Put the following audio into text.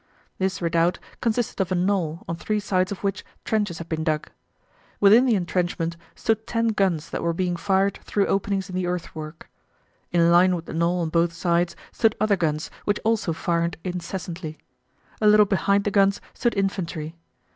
This redoubt consisted of a knoll, on three sides of which trenches had been dug. Within the entrenchment stood ten guns that were being fired through openings in the earthwork. In line with the knoll on both sides stood other guns which also fired incessantly. A little behind the guns stood infantry.